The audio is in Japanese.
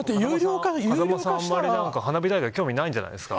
風間さんはあまり花火大会興味ないんじゃないですか。